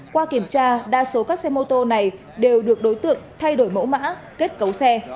qua kiểm tra đa số các xe mô tô này đều được đối tượng thay đổi mẫu mã kết cấu xe